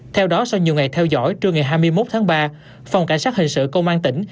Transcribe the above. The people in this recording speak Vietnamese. theo đó sau nhiều ngày theo dõi trưa ngày hai mươi một tháng ba phòng cảnh sát hình sự công an tỉnh